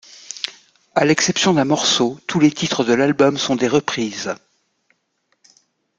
À l'exception d'un morceau, tous les titres de l'album sont des reprises.